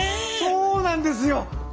そうなんですよ。